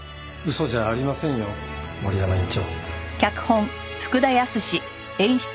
嘘じゃありませんよ森山院長。